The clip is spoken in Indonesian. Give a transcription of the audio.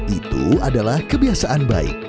itu adalah kebiasaan baik